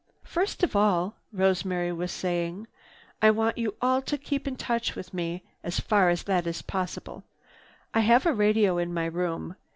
"First of all," Rosemary was saying, "I want you all to keep in touch with me as far as that is possible. I have a radio in my room.